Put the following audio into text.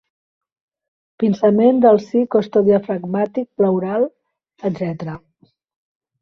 Pinçament del si costodiafragmàtic pleural, etc.